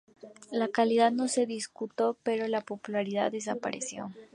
La calidad no se discutió pero la popularidad desapareció.